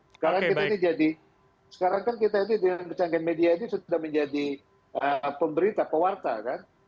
sekarang kan kita ini jadi sekarang kan kita ini dengan kecanggahan media ini sudah menjadi pemberita pewarta kan